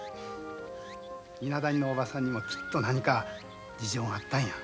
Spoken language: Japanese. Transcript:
伊那谷のおばさんにもきっと何か事情があったんや。